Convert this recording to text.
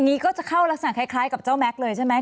นี้ก็จะเข้ารักษณะคล้ายกับเจ้าแม็กซ์เลยใช่ไหม